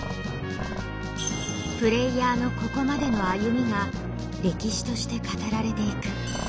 プレイヤーのここまでの歩みが歴史として語られていく。